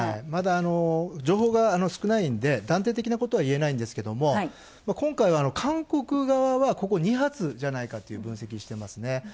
まだ情報が少ないんで断定的なことは言えないんですけど今回は韓国側は２発じゃないかと分析していますね。